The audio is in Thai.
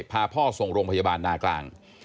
โรงพยาบาลหน้ากลาง